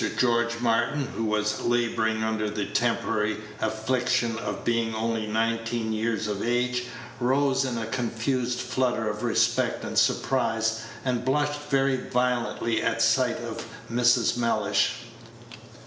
George Martin, who was laboring under the temporary affliction of being only nineteen years of age, rose in a confused flutter of respect and surprise, and blushed very violently at sight of Mrs. Mellish.